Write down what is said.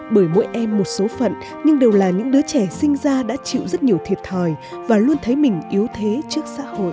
bởi mỗi em một số phận nhưng đều là những đứa trẻ sinh ra đã chịu rất nhiều thiệt thòi và luôn thấy mình yếu thế trước xã hội